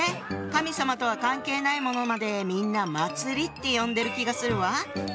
神様とは関係ないものまでみんな祭りって呼んでる気がするわ。